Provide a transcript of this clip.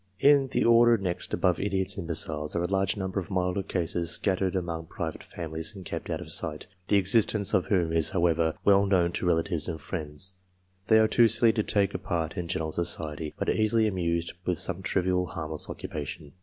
In the order next above idiots and imbeciles are a large number of milder cases scattered among private families and kept out of sight, the existence of whom is, however, well known to relatives and friends ; they are too silly to take a part in general society, but are easily amused with some trivial, harmless occupation.